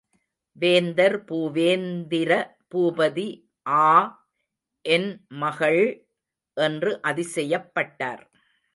வேந்தர் பூவேந்திர பூபதி ஆ! என் மகள்! என்று அதிசயப்பட்டார்.